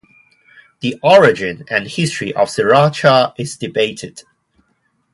The origin and history of sriracha is debated.